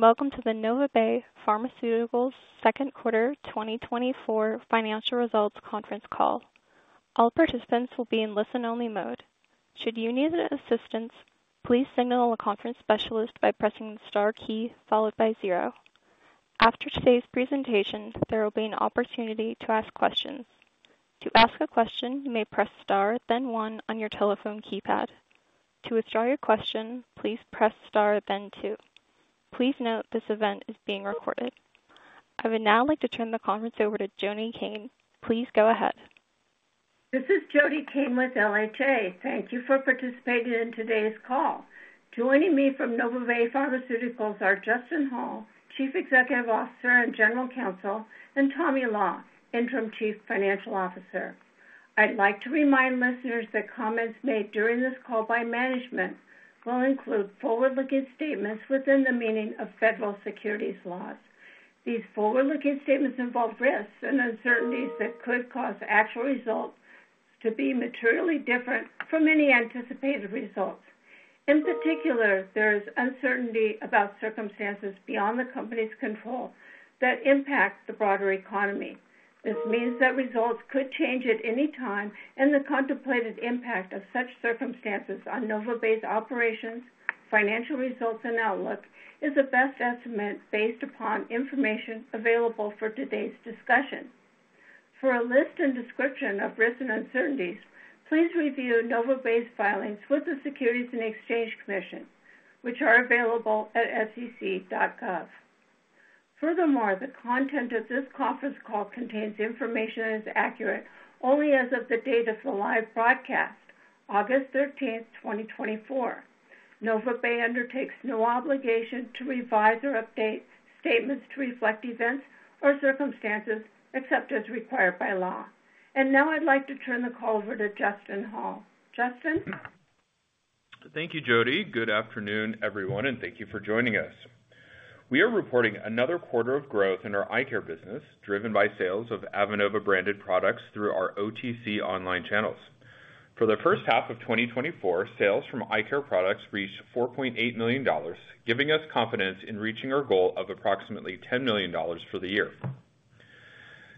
Welcome to the NovaBay Pharmaceuticals Second Quarter 2024 Financial Results Conference Call. All participants will be in listen-only mode. Should you need assistance, please signal a conference specialist by pressing the star key followed by zero. After today's presentation, there will be an opportunity to ask questions. To ask a question, you may press star, then one on your telephone keypad. To withdraw your question, please press star, then two. Please note this event is being recorded. I would now like to turn the conference over to Jody Cain. Please go ahead. This is Jody Cain with LHA. Thank you for participating in today's call. Joining me from NovaBay Pharmaceuticals are Justin Hall, Chief Executive Officer and General Counsel, and Tommy Law, Interim Chief Financial Officer. I'd like to remind listeners that comments made during this call by management will include forward-looking statements within the meaning of federal securities laws. These forward-looking statements involve risks and uncertainties that could cause actual results to be materially different from any anticipated results. In particular, there is uncertainty about circumstances beyond the company's control that impact the broader economy. This means that results could change at any time, and the contemplated impact of such circumstances on NovaBay's operations, financial results, and outlook is the best estimate based upon information available for today's discussion. For a list and description of risks and uncertainties, please review NovaBay's filings with the Securities and Exchange Commission, which are available at sec.gov. Furthermore, the content of this conference call contains information and is accurate only as of the date of the live broadcast, August 13, 2024. NovaBay undertakes no obligation to revise or update statements to reflect events or circumstances except as required by law. Now I'd like to turn the call over to Justin Hall. Justin? Thank you, Jody. Good afternoon, everyone, and thank you for joining us. We are reporting another quarter of growth in our eye care business, driven by sales of Avenova-branded products through our OTC online channels. For the first half of 2024, sales from eye care products reached $4.8 million, giving us confidence in reaching our goal of approximately $10 million for the year.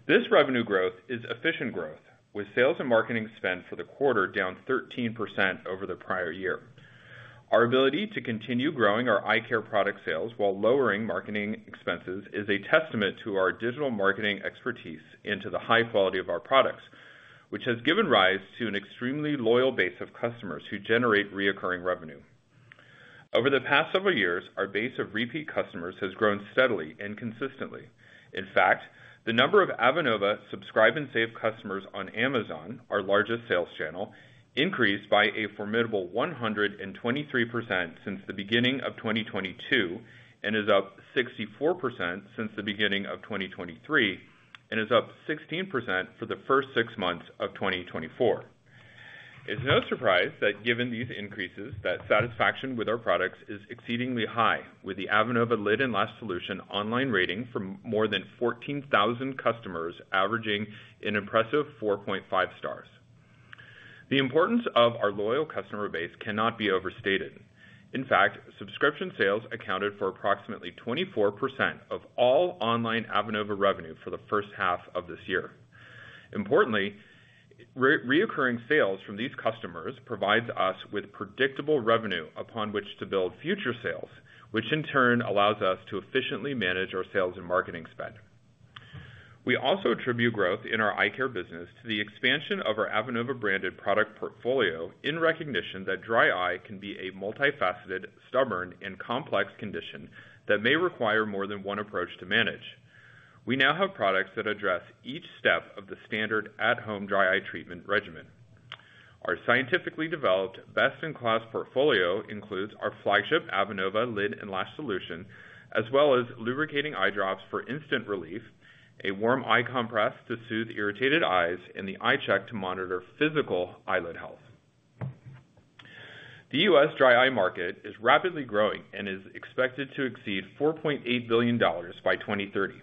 This revenue growth is efficient growth, with sales and marketing spend for the quarter down 13% over the prior year. Our ability to continue growing our eye care product sales while lowering marketing expenses is a testament to our digital marketing expertise and to the high quality of our products, which has given rise to an extremely loyal base of customers who generate recurring revenue. Over the past several years, our base of repeat customers has grown steadily and consistently. In fact, the number of Avenova Subscribe & Save customers on Amazon, our largest sales channel, increased by a formidable 123% since the beginning of 2022, and is up 64% since the beginning of 2023, and is up 16% for the first six months of 2024. It's no surprise that given these increases, that satisfaction with our products is exceedingly high, with the Avenova Lid & Lash Solution online rating from more than 14,000 customers averaging an impressive 4.5 stars. The importance of our loyal customer base cannot be overstated. In fact, subscription sales accounted for approximately 24% of all online Avenova revenue for the first half of this year. Importantly, recurring sales from these customers provides us with predictable revenue upon which to build future sales, which in turn allows us to efficiently manage our sales and marketing spend. We also attribute growth in our eye care business to the expansion of our Avenova-branded product portfolio, in recognition that dry eye can be a multifaceted, stubborn, and complex condition that may require more than one approach to manage. We now have products that address each step of the standard at-home dry eye treatment regimen. Our scientifically developed best-in-class portfolio includes our flagship Avenova Lid & Lash Solution, as well as lubricating eye drops for instant relief, a warm eye compress to soothe irritated eyes, and the i-Chek to monitor physical eyelid health. The US dry eye market is rapidly growing and is expected to exceed $4.8 billion by 2030.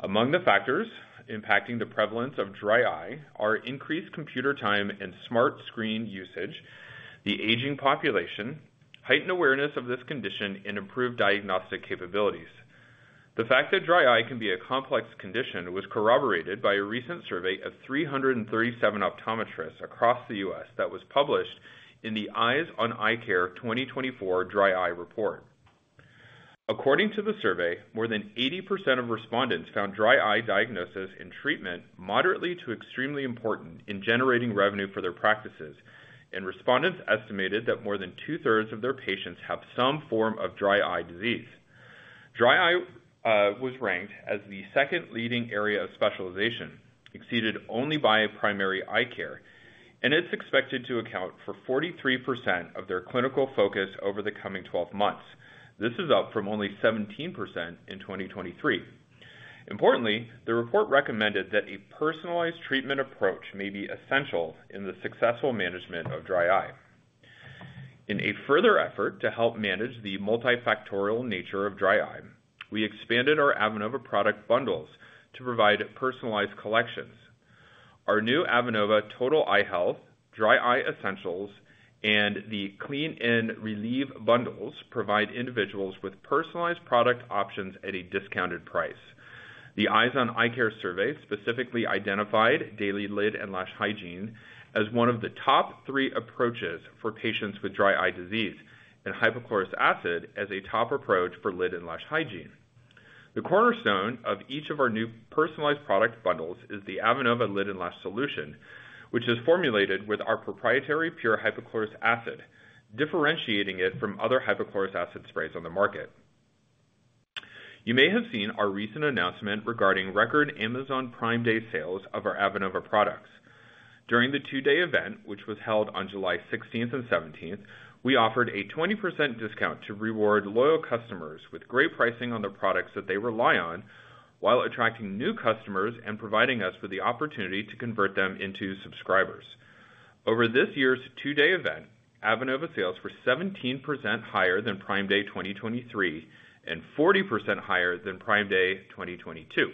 Among the factors impacting the prevalence of dry eye are increased computer time and smart screen usage, the aging population, heightened awareness of this condition, and improved diagnostic capabilities. The fact that dry eye can be a complex condition was corroborated by a recent survey of 337 optometrists across the U.S. that was published in the Eyes On Eyecare 2024 Dry Eye Report. According to the survey, more than 80% of respondents found dry eye diagnosis and treatment moderately to extremely important in generating revenue for their practices, and respondents estimated that more than two-thirds of their patients have some form of dry eye disease. Dry eye was ranked as the second leading area of specialization, exceeded only by primary eye care, and it's expected to account for 43% of their clinical focus over the coming 12 months. This is up from only 17% in 2023. Importantly, the report recommended that a personalized treatment approach may be essential in the successful management of dry eye. In a further effort to help manage the multifactorial nature of dry eye, we expanded our Avenova product bundles to provide personalized collections. Our new Avenova Total Eye Health, Dry Eye Essentials, and the Clean & Relieve bundles provide individuals with personalized product options at a discounted price. The Eyes On Eyecare survey specifically identified daily lid and lash hygiene as one of the top three approaches for patients with dry eye disease, and hypochlorous acid as a top approach for lid and lash hygiene. The cornerstone of each of our new personalized product bundles is the Avenova Lid & Lash Solution, which is formulated with our proprietary pure hypochlorous acid, differentiating it from other hypochlorous acid sprays on the market. You may have seen our recent announcement regarding record Amazon Prime Day sales of our Avenova products. During the two-day event, which was held on July sixteenth and seventeenth, we offered a 20% discount to reward loyal customers with great pricing on the products that they rely on, while attracting new customers and providing us with the opportunity to convert them into subscribers. Over this year's two-day event, Avenova sales were 17% higher than Prime Day 2023, and 40% higher than Prime Day 2022.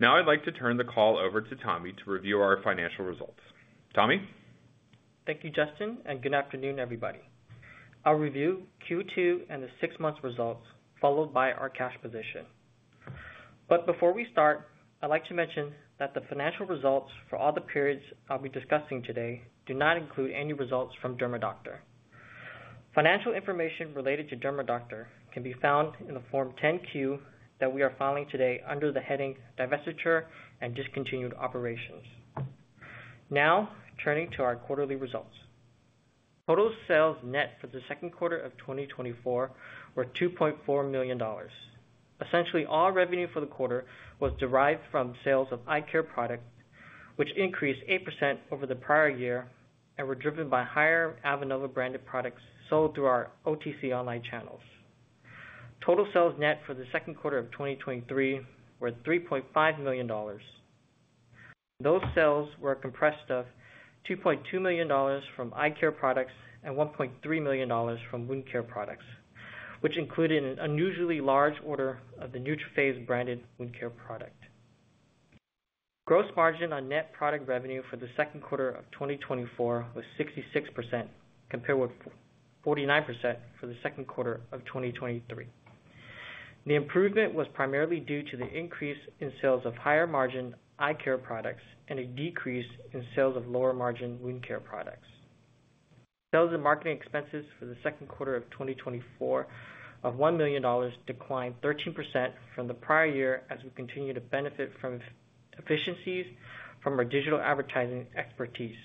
Now I'd like to turn the call over to Tommy to review our financial results. Tommy? Thank you, Justin, and good afternoon, everybody. I'll review Q2 and the six months results, followed by our cash position. But before we start, I'd like to mention that the financial results for all the periods I'll be discussing today do not include any results from DERMAdoctor. Financial information related to DERMAdoctor can be found in the Form 10-Q that we are filing today under the heading Divestiture and Discontinued Operations. Now, turning to our quarterly results. Total sales net for the second quarter of 2024 were $2.4 million. Essentially, all revenue for the quarter was derived from sales of eye care product, which increased 8% over the prior year and were driven by higher Avenova branded products sold through our OTC online channels. Total sales net for the second quarter of 2023 were $3.5 million. Those sales were comprised of $2.2 million from eye care products and $1.3 million from wound care products, which included an unusually large order of the NeutroPhase-branded wound care product. Gross margin on net product revenue for the second quarter of 2024 was 66%, compared with 49% for the second quarter of 2023. The improvement was primarily due to the increase in sales of higher-margin eye care products and a decrease in sales of lower-margin wound care products. Sales and marketing expenses for the second quarter of 2024 of $1 million declined 13% from the prior year, as we continue to benefit from efficiencies from our digital advertising expertise.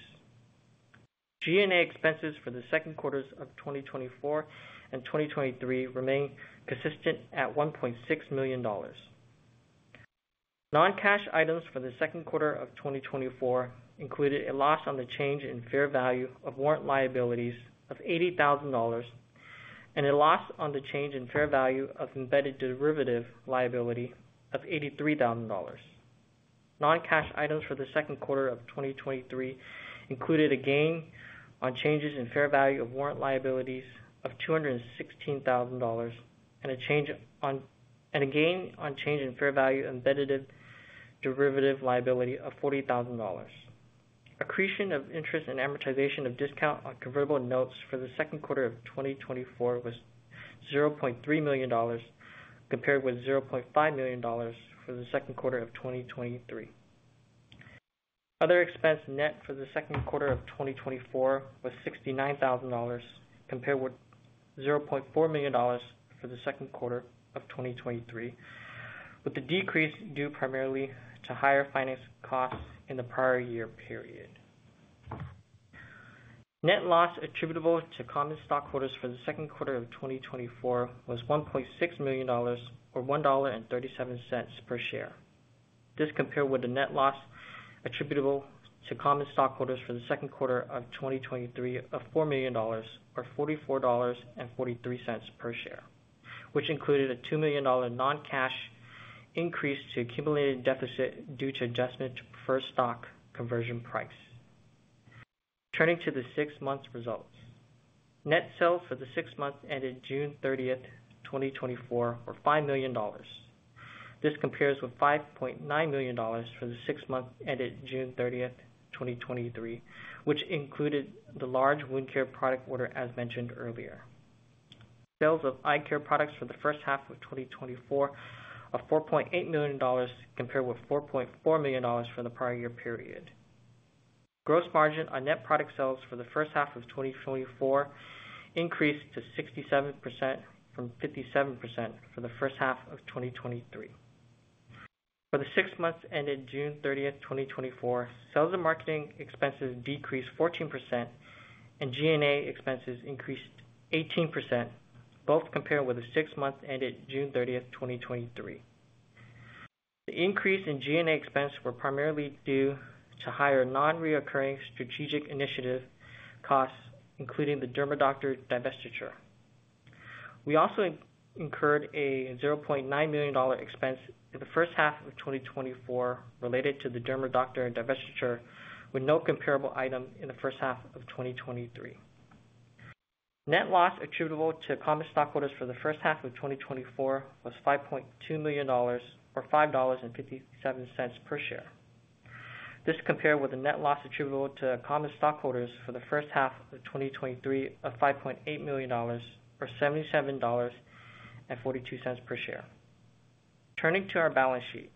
G&A expenses for the second quarters of 2024 and 2023 remained consistent at $1.6 million. Non-cash items for the second quarter of 2024 included a loss on the change in fair value of warrant liabilities of $80,000, and a loss on the change in fair value of embedded derivative liability of $83,000. Non-cash items for the second quarter of 2023 included a gain on changes in fair value of warrant liabilities of $216,000, and a gain on change in fair value of embedded derivative liability of $40,000. Accretion of interest and amortization of discount on convertible notes for the second quarter of 2024 was $0.3 million, compared with $0.5 million for the second quarter of 2023. Other expense net for the second quarter of 2024 was $69,000, compared with $0.4 million for the second quarter of 2023, with the decrease due primarily to higher finance costs in the prior year period. Net loss attributable to common stockholders for the second quarter of 2024 was $1.6 million, or $1.37 per share. This compared with the net loss attributable to common stockholders for the second quarter of 2023 of $4 million, or $44.43 per share, which included a $2 million non-cash increase to accumulated deficit due to adjustment to preferred stock conversion price. Turning to the six months results. Net sales for the six months ended June 30, 2024, were $5 million. This compares with $5.9 million for the six months ended June 30, 2023, which included the large wound care product order, as mentioned earlier. Sales of eye care products for the first half of 2024 are $4.8 million, compared with $4.4 million for the prior year period. Gross margin on net product sales for the first half of 2024 increased to 67% from 57% for the first half of 2023. For the six months ended June 30, 2024, sales and marketing expenses decreased 14%, and G&A expenses increased 18%, both compared with the six months ended June 30, 2023. The increase in G&A expenses were primarily due to higher non-reoccurring strategic initiative costs, including the DERMAdoctor divestiture. We also incurred a $0.9 million expense in the first half of 2024 related to the DERMAdoctor divestiture, with no comparable item in the first half of 2023. Net loss attributable to common stockholders for the first half of 2024 was $5.2 million, or $5.57 per share. This compared with the net loss attributable to common stockholders for the first half of 2023 of $5.8 million, or $77.42 per share. Turning to our balance sheet.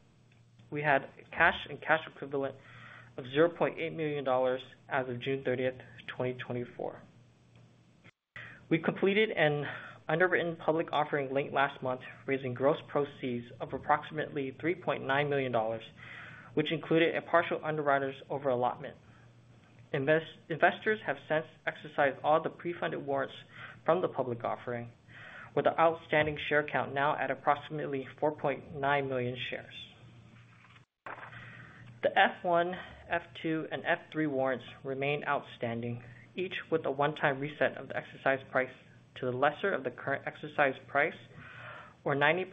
We had cash and cash equivalents of $0.8 million as of June 30, 2024. We completed an underwritten public offering late last month, raising gross proceeds of approximately $3.9 million, which included a partial underwriter's over-allotment. Investors have since exercised all the pre-funded warrants from the public offering, with the outstanding share count now at approximately 4.9 million shares. The F-1, F-2, and F-3 warrants remain outstanding, each with a one-time reset of the exercise price to the lesser of the current exercise price, or 90%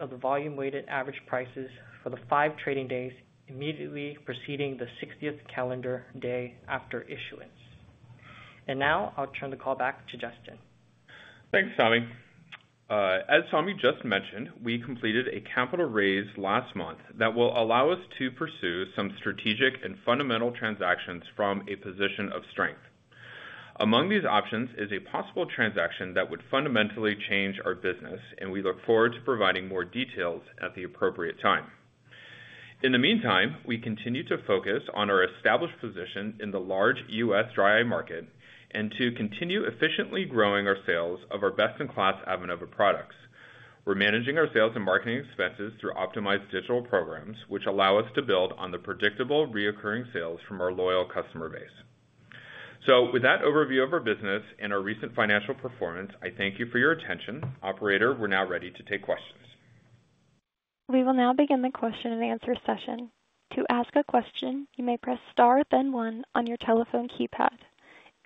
of the volume weighted average prices for the five trading days immediately preceding the sixtieth calendar day after issuance. Now I'll turn the call back to Justin. Thanks, Tommy. As Tommy just mentioned, we completed a capital raise last month that will allow us to pursue some strategic and fundamental transactions from a position of strength. Among these options is a possible transaction that would fundamentally change our business, and we look forward to providing more details at the appropriate time. In the meantime, we continue to focus on our established position in the large U.S. dry eye market and to continue efficiently growing our sales of our best-in-class Avenova products. We're managing our sales and marketing expenses through optimized digital programs, which allow us to build on the predictable, recurring sales from our loyal customer base. With that overview of our business and our recent financial performance, I thank you for your attention. Operator, we're now ready to take questions. We will now begin the question and answer session. To ask a question, you may press Star, then one on your telephone keypad.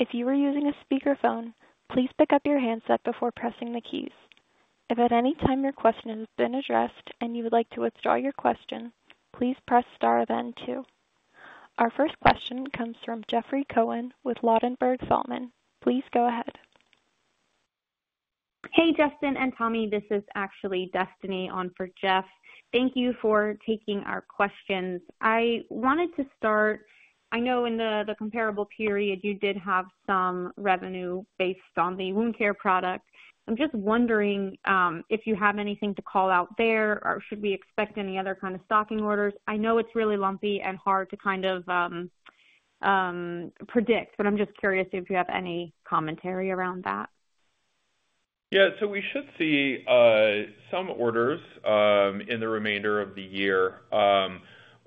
If you are using a speakerphone, please pick up your handset before pressing the keys. If at any time your question has been addressed and you would like to withdraw your question, please press Star, then two. Our first question comes from Jeffrey Cohen with Ladenburg Thalmann. Please go ahead. Hey, Justin and Tommy, this is actually Destiny on for Jeff. Thank you for taking our questions. I wanted to start... I know in the, the comparable period, you did have some revenue based on the wound care product. I'm just wondering if you have anything to call out there, or should we expect any other kind of stocking orders? I know it's really lumpy and hard to kind of predict, but I'm just curious if you have any commentary around that. Yeah, so we should see some orders in the remainder of the year. But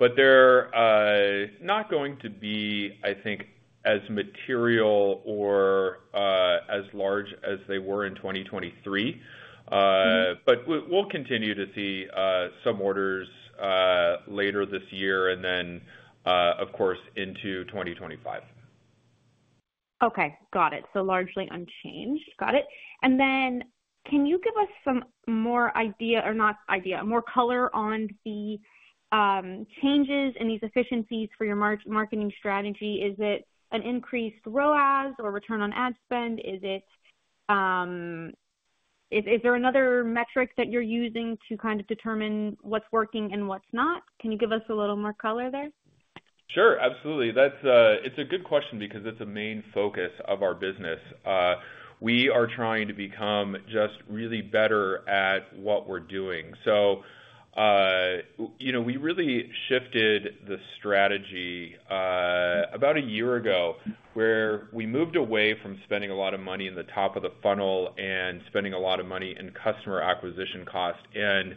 they're not going to be, I think, as material or as large as they were in 2023. Mm-hmm. But we'll continue to see some orders later this year and then, of course, into 2025. Okay, got it. So largely unchanged. Got it. And then can you give us some more idea or not idea, more color on the changes in these efficiencies for your marketing strategy? Is it an increased ROAS or return on ad spend? Is there another metric that you're using to kind of determine what's working and what's not? Can you give us a little more color there? Sure. Absolutely. That's... It's a good question because it's a main focus of our business. We are trying to become just really better at what we're doing. So, you know, we really shifted the strategy about a year ago, where we moved away from spending a lot of money in the top of the funnel and spending a lot of money in customer acquisition costs, and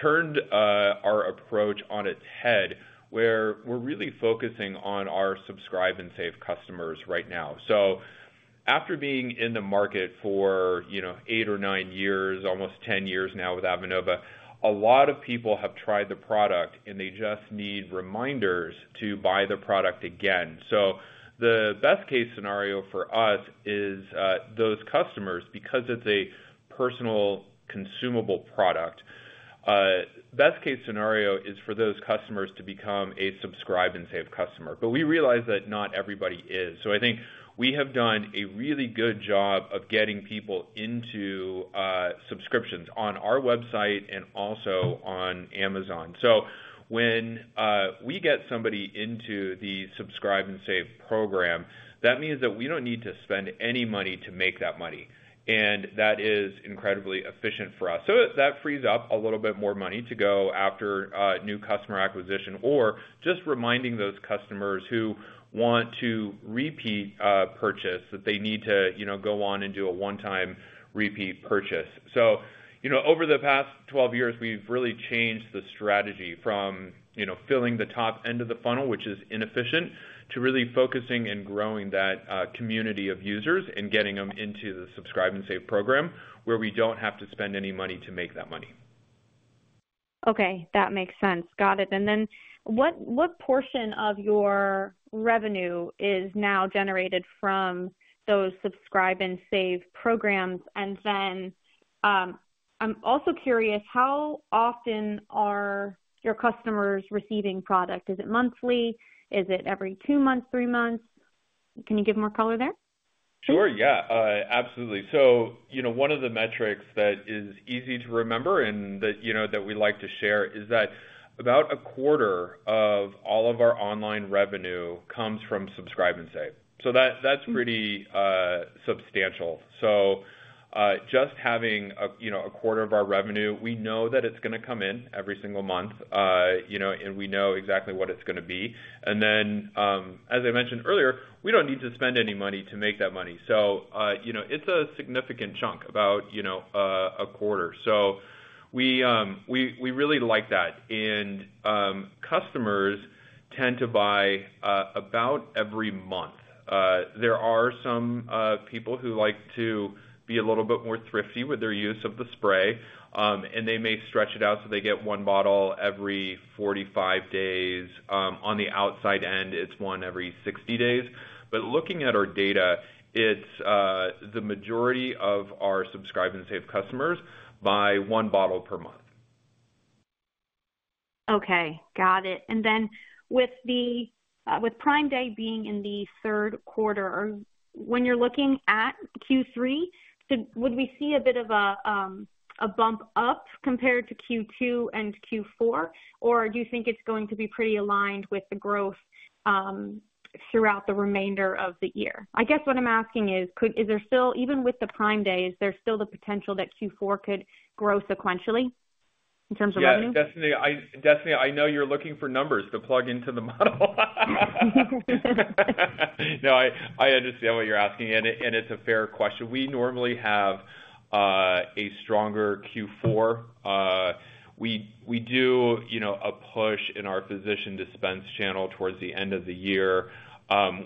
turned our approach on its head, where we're really focusing on our Subscribe & Save customers right now. So after being in the market for, you know, eight or nine years, almost ten years now with Avenova, a lot of people have tried the product, and they just need reminders to buy the product again. So the best case scenario for us is, those customers, because it's a personal consumable product, best case scenario is for those customers to become a Subscribe & Save customer. But we realize that not everybody is. So I think we have done a really good job of getting people into, subscriptions on our website and also on Amazon. So when, we get somebody into the Subscribe & Save program, that means that we don't need to spend any money to make that money, and that is incredibly efficient for us. So that frees up a little bit more money to go after, new customer acquisition or just reminding those customers who want to repeat, purchase, that they need to, you know, go on and do a one-time repeat purchase. So, you know, over the past 12 years, we've really changed the strategy from, you know, filling the top end of the funnel, which is inefficient, to really focusing and growing that community of users and getting them into the Subscribe & Save program, where we don't have to spend any money to make that money. Okay, that makes sense. Got it. And then what, what portion of your revenue is now generated from those Subscribe and Save programs? And then, I'm also curious, how often are your customers receiving product? Is it monthly? Is it every two months, three months? Can you give more color there?... Sure. Yeah, absolutely. So, you know, one of the metrics that is easy to remember and that, you know, that we like to share, is that about a quarter of all of our online revenue comes from Subscribe and Save. So that, that's pretty substantial. So, just having a, you know, a quarter of our revenue, we know that it's going to come in every single month, you know, and we know exactly what it's going to be. And then, as I mentioned earlier, we don't need to spend any money to make that money. So, you know, it's a significant chunk, about, you know, a quarter. So we, we really like that. And, customers tend to buy, about every month. There are some people who like to be a little bit more thrifty with their use of the spray, and they may stretch it out so they get one bottle every 45 days. On the outside end, it's one every 60 days. But looking at our data, it's the majority of our Subscribe & Save customers buy one bottle per month. Okay, got it. And then with the with Prime Day being in the third quarter, when you're looking at Q3, would we see a bit of a a bump up compared to Q2 and Q4? Or do you think it's going to be pretty aligned with the growth throughout the remainder of the year? I guess what I'm asking is, could Is there still, even with the Prime Day, is there still the potential that Q4 could grow sequentially in terms of revenue? Yeah, Destiny, I know you're looking for numbers to plug into the model. No, I understand what you're asking, and it's a fair question. We normally have a stronger Q4. We do, you know, a push in our physician dispense channel towards the end of the year.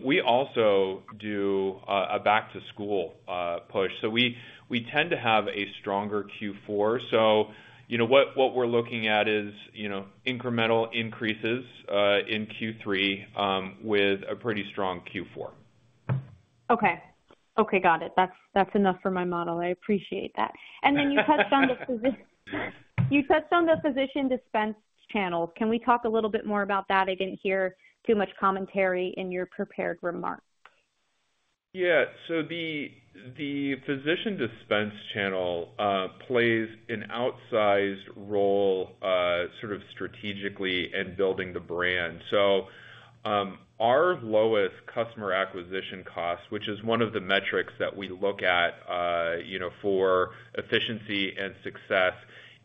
We also do a back-to-school push. So we tend to have a stronger Q4. So you know, what we're looking at is, you know, incremental increases in Q3 with a pretty strong Q4. Okay. Okay, got it. That's, that's enough for my model. I appreciate that. And then you touched on the physician dispense channels. Can we talk a little bit more about that? I didn't hear too much commentary in your prepared remarks. Yeah. So the physician dispense channel plays an outsized role sort of strategically in building the brand. So our lowest customer acquisition cost, which is one of the metrics that we look at, you know, for efficiency and success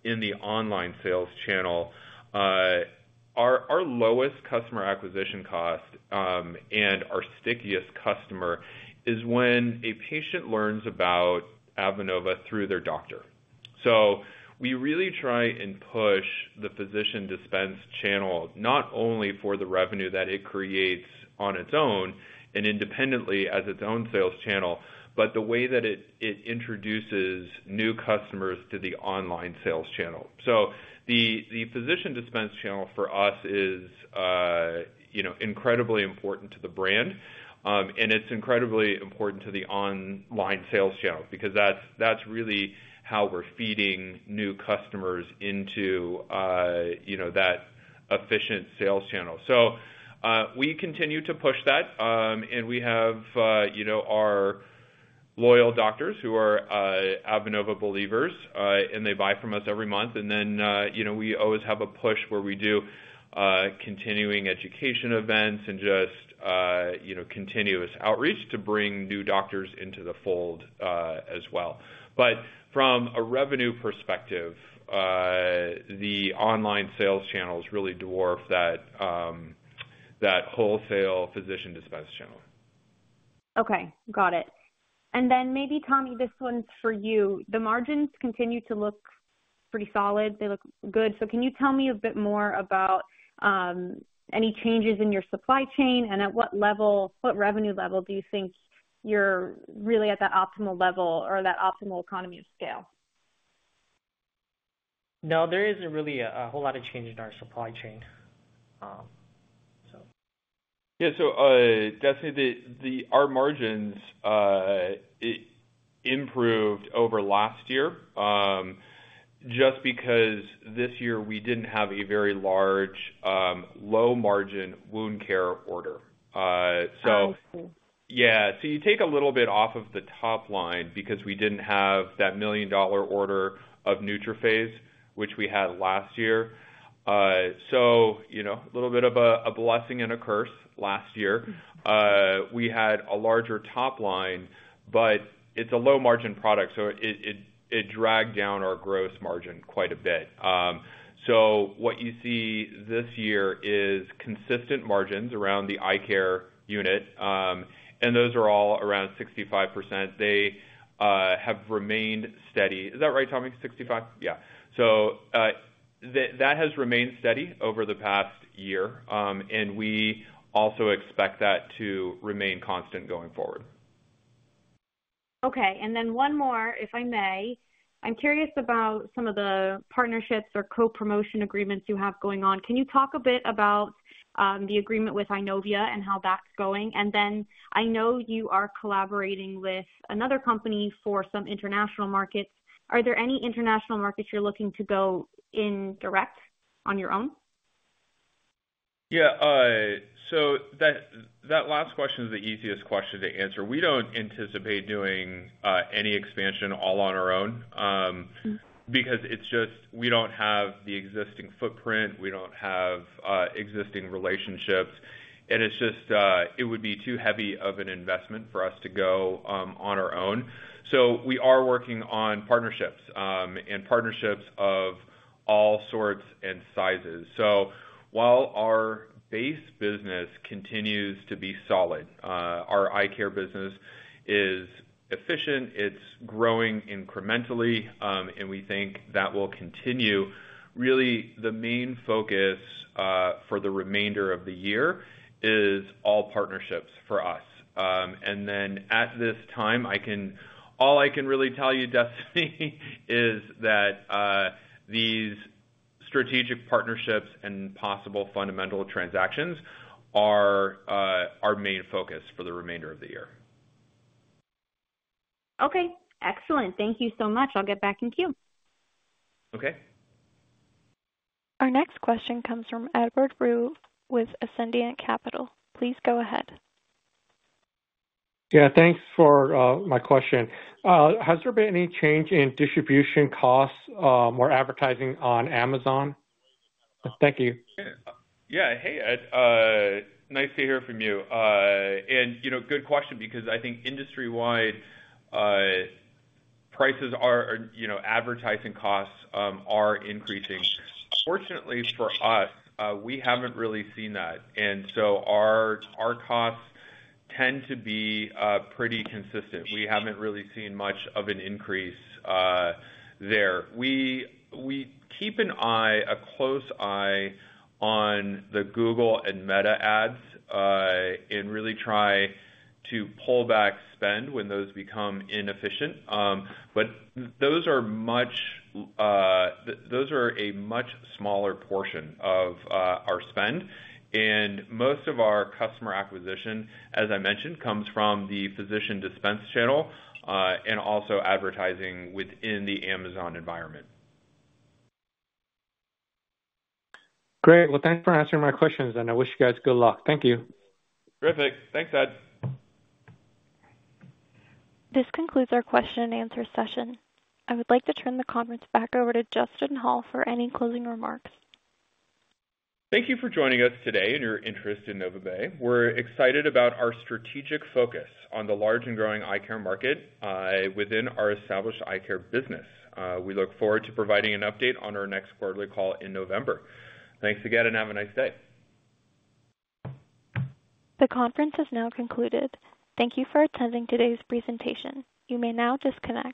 in the online sales channel. Our lowest customer acquisition cost and our stickiest customer is when a patient learns about Avenova through their doctor. So we really try and push the physician dispense channel, not only for the revenue that it creates on its own and independently as its own sales channel, but the way that it introduces new customers to the online sales channel. So the physician dispense channel for us is, you know, incredibly important to the brand, and it's incredibly important to the online sales channel, because that's really how we're feeding new customers into, you know, that efficient sales channel. So we continue to push that. And we have, you know, our loyal doctors who are Avenova believers, and they buy from us every month. And then, you know, we always have a push where we do continuing education events and just, you know, continuous outreach to bring new doctors into the fold, as well. But from a revenue perspective, the online sales channels really dwarf that wholesale physician dispense channel. Okay, got it. And then maybe, Tommy, this one's for you. The margins continue to look pretty solid. They look good. So can you tell me a bit more about any changes in your supply chain, and at what level, what revenue level do you think you're really at that optimal level or that optimal economy of scale? No, there isn't really a whole lot of change in our supply chain. So... Yeah, so, Destiny, our margins improved over last year, just because this year we didn't have a very large, low margin wound care order. So- Oh, okay. Yeah. So you take a little bit off of the top line, because we didn't have that $1 million order of NeutroPhase, which we had last year. So, you know, a little bit of a blessing and a curse last year. We had a larger top line, but it's a low-margin product, so it dragged down our gross margin quite a bit. So what you see this year is consistent margins around the eye care unit, and those are all around 65%. They have remained steady. Is that right, Tommy? 65%? Yeah. So, that has remained steady over the past year, and we also expect that to remain constant going forward. Okay, and then one more, if I may. I'm curious about some of the partnerships or co-promotion agreements you have going on. Can you talk a bit about the agreement with Eyenovia and how that's going? And then, I know you are collaborating with another company for some international markets. Are there any international markets you're looking to go in direct on your own? Yeah, so that, that last question is the easiest question to answer. We don't anticipate doing any expansion all on our own, because it's just we don't have the existing footprint, we don't have existing relationships, and it's just it would be too heavy of an investment for us to go on our own. So we are working on partnerships and partnerships of all sorts and sizes. So while our base business continues to be solid, our eye care business is efficient, it's growing incrementally, and we think that will continue. Really, the main focus for the remainder of the year is all partnerships for us. At this time, all I can really tell you, Destiny, is that these strategic partnerships and possible fundamental transactions are our main focus for the remainder of the year. Okay, excellent. Thank you so much. I'll get back in queue. Okay. Our next question comes from Edward Woo with Ascendiant Capital. Please go ahead. Yeah, thanks for my question. Has there been any change in distribution costs, or advertising on Amazon? Thank you. Yeah. Hey, Ed, nice to hear from you. You know, good question, because I think industry-wide, prices are, you know, advertising costs are increasing. Fortunately for us, we haven't really seen that, and so our costs tend to be pretty consistent. We haven't really seen much of an increase there. We keep an eye, a close eye on the Google and Meta ads, and really try to pull back spend when those become inefficient. But those are a much smaller portion of our spend, and most of our customer acquisition, as I mentioned, comes from the physician dispense channel, and also advertising within the Amazon environment. Great. Well, thanks for answering my questions, and I wish you guys good luck. Thank you. Terrific. Thanks, Ed. This concludes our question and answer session. I would like to turn the conference back over to Justin Hall for any closing remarks. Thank you for joining us today and your interest in NovaBay. We're excited about our strategic focus on the large and growing eye care market within our established eye care business. We look forward to providing an update on our next quarterly call in November. Thanks again, and have a nice day. The conference has now concluded. Thank you for attending today's presentation. You may now disconnect.